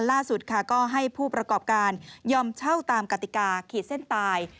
ล่าสุดค่ะก็ให้ผู้ประกอบการยอมเช่าตามกติกาขีดเส้นตาย